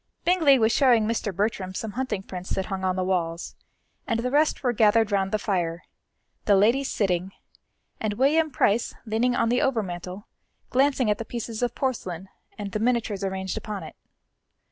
Bingley was showing Mr. Bertram some hunting prints that hung on the walls, and the rest were gathered round the fire, the ladies sitting, and William Price leaning on the overmantel glancing at the pieces of porcelain and the miniatures arranged upon it.